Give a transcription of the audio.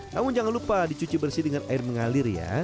namun jangan lupa dicuci bersih dengan air mengalir ya